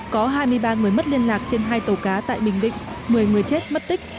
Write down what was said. có hai mươi ba người mất liên lạc trên hai tàu cá tại bình định một mươi người chết mất tích